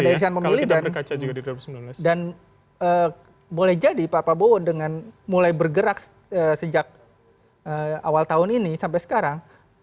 barisan pemilihan dan boleh jadi pak prabowo dengan mulai bergerak sejak awal tahun ini sampai sekarang